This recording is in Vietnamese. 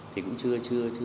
thì cũng chưa mạnh dạn tới